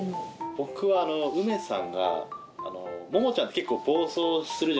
僕はウメさんがモモちゃんって結構暴走するじゃないですか。